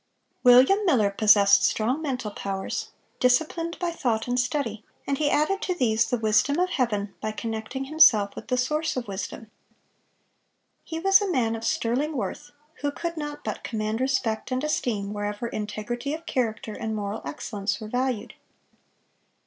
William Miller possessed strong mental powers, disciplined by thought and study; and he added to these the wisdom of heaven, by connecting himself with the Source of wisdom. He was a man of sterling worth, who could not but command respect and esteem wherever integrity of character and moral excellence were valued.